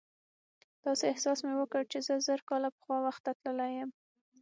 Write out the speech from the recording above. داسې احساس مې وکړ چې زه زر کاله پخوا وخت ته تللی یم.